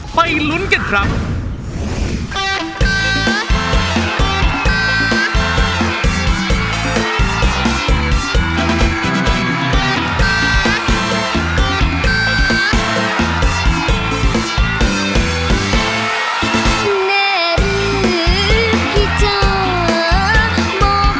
ไปลุ้นกันครับ